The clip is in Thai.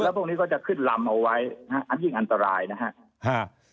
แล้วพวกนี้ก็จะขึ้นลำเอาไว้ยิ่งอันตรายนะฮะ